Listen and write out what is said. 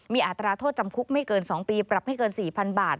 มีอัตราโทษจำคุกไม่เกิน๒ปีปรับไม่เกิน๔๐๐๐บาท